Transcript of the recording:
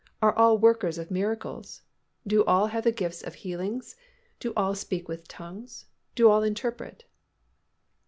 Are all workers of miracles? Have all gifts of healings? Do all speak with tongues? Do all interpret?"